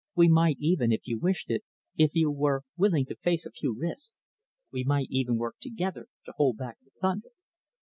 We might even, if you wished it, if you were willing to face a few risks, we might even work together to hold back the thunder.